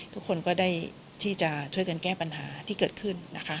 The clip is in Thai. ทุกคนก็ได้ที่จะช่วยกันแก้ปัญหาที่เกิดขึ้นนะคะ